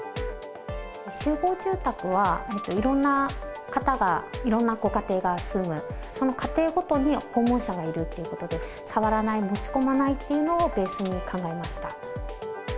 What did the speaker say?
集合住宅は、いろんな方が、いろんなご家庭が住む、その家庭ごとに訪問者がいるっていうことで、触らない、持ち込まないというのをベースに考えました。